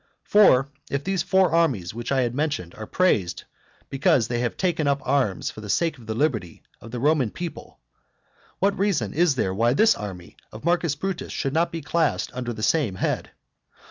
For if these four armies which I have mentioned are praised because they have taken up arms for the sake of the liberty of the Roman people, what reason is there why this army of Marcus Brutus should not be classed under the same head?